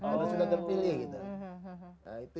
karena sudah terpilih gitu